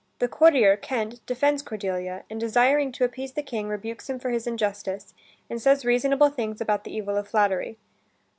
The courtier, Kent, defends Cordelia, and desiring to appease the King, rebukes him for his injustice, and says reasonable things about the evil of flattery.